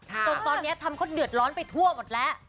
จนตอนนี้ทำเขาเดือดร้อนไปทั่วหมดแล้ว